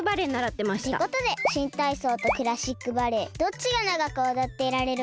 ってことで新体操とクラシックバレエどっちが長く踊っていられるか対決です！